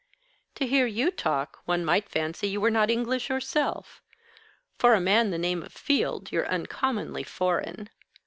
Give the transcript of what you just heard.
"To hear you talk, one might fancy you were not English yourself. For a man of the name of Field, you're uncommonly foreign.